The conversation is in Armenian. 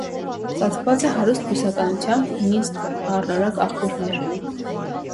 Ծածկված է հարուստ բուսականությամբ, ունի սառնորակ աղբյուրներ։